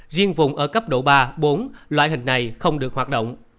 riêng vùng ở cấp độ ba bốn loại hình này không được hoạt động